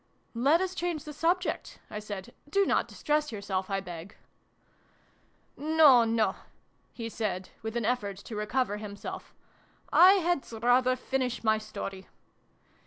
" Let us change the subject," I said. " Do not distress yourself, I beg !"" No, no !" he said, with an effort to recover himself. " I had rather finish my story